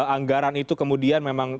anggaran itu kemudian memang